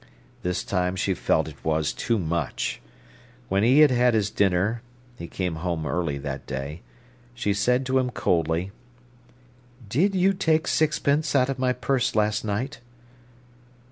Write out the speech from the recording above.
This time she felt it was too much. When he had had his dinner—he came home early that day—she said to him coldly: "Did you take sixpence out of my purse last night?"